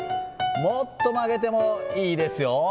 もっと曲げてもいいですよ。